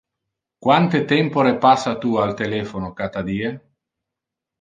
Quante tempore passa tu al telephono cata die?